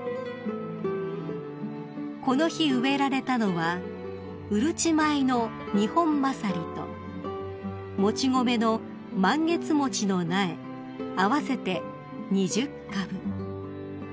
［この日植えられたのはうるち米のニホンマサリともち米のマンゲツモチの苗合わせて２０株］